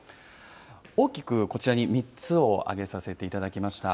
大きくこちらに３つを挙げさせていただきました。